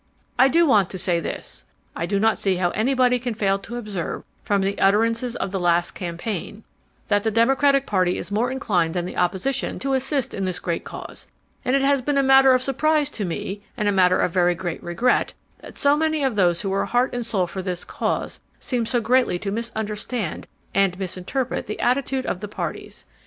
"I do want to say this: I do not see how anybody can fail to observe from the utterances of the last campaign that the Democratic Party is more inclined than the opposition to assist in this great cause, and it has been a matter of surprise to me, and a matter of very great regret that so many of those who were heart and soul for this cause seemed so greatly to misunderstand arid misinterpret the attitude of parties.